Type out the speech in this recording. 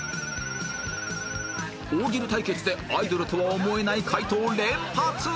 大喜利対決でアイドルとは思えない回答連発！